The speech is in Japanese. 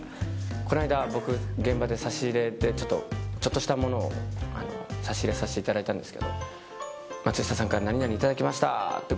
この間、僕、現場で差し入れでちょっとしたものを差し入れさせていただいたんですけど松下さんから何々いただきました！って